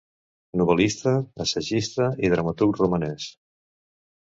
Novel·lista, assagista i dramaturg romanès.